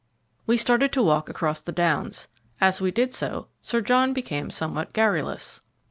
We started to walk across the Downs. As we did so, Sir John became somewhat garrulous.